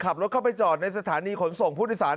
ขับรถเข้าไปจอดในสถานีขนส่งพุทธศาสน